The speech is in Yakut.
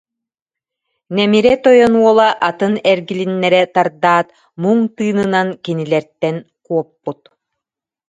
Нэмирэ тойон уола атын эргилиннэрэ тардаат, муҥ тыынынан кинилэртэн куоппут